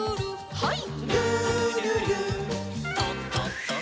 はい。